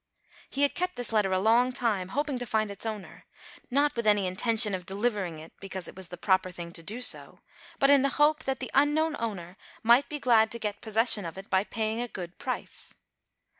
He had kept this letter a long time, hoping to find its owner ; not with any intention of deliver ing it, because it was the proper thing to do so, but, in the hope, that the unknown owner might be glad to get possession of it, by paying a good price.